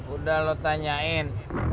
udah lo tanyain